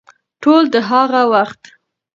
ټول د هغه وخت